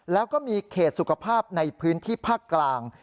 แล้วก็มีเขตสุขภาพในพื้นที่ภาคกลาง